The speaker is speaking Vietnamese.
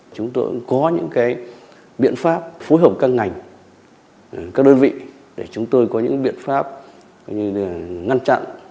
chúng tôi cũng có những biện pháp phối hợp các ngành các đơn vị để chúng tôi có những biện pháp ngăn chặn